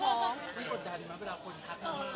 อเรนนี่ปุ๊ปอเรนนี่ปุ๊ป